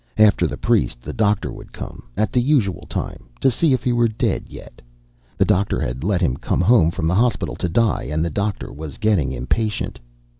After the priest, the doctor would come, at the usual time, to see if he were dead yet. The doctor had let him come home from the hospital to die, and the doctor was getting impatient.